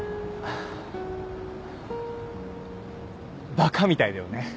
バカみたいだよね。